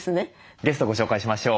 ゲストをご紹介しましょう。